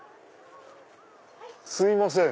すいません。